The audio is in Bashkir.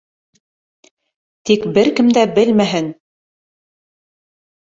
Тик бер кем дә белмәһен.